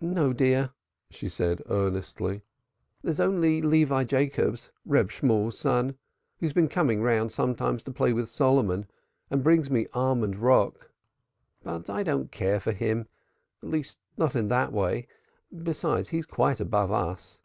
"No, dear," she said earnestly. "There's only Levi Jacobs, Reb Shemuel's son, who's been coming round sometimes to play with Solomon, and brings me almond rock. But I don't care for him at least not in that way. Besides, he's quite above us."